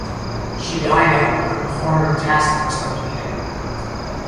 She died, however, before her task was completed.